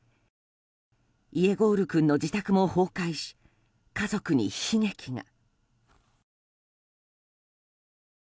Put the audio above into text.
イエゴール君の自宅も崩壊し家族に悲劇が。